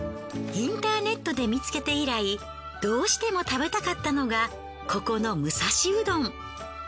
インターネットで見つけて以来どうしても食べたかったのがここの武蔵うどん。